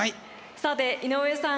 さて井上さん